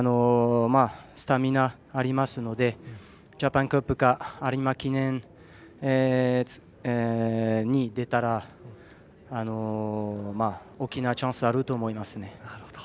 スタミナありますのでジャパンカップか有馬記念に出たら大きなチャンスあると思いますね。